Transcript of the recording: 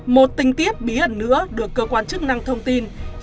một tình tiết bí ẩn nữa được cơ quan chức năng thông tin khiến nhiều nhà cung cấp dịch vụ